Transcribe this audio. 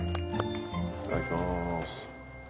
いただきまーす。